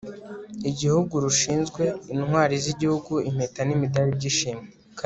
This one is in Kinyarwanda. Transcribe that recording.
igihugu rushinzwe intwari z'igihugu, impeta n'imidari by'ishimwe